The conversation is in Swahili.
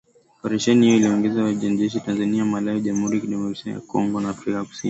operesheni hiyo iliongozwa na wanajeshi wa Tanzania, Malawi, Jamhuri ya Kidemokrasia ya Kongo na Afrika kusini